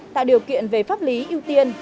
tạo điều kiện về pháp lý ưu tiên